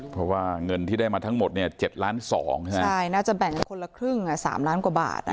เพราะว่าเงินที่ได้มาทั้งหมดเนี่ย๗ล้าน๒ใช่ไหมใช่น่าจะแบ่งคนละครึ่ง๓ล้านกว่าบาท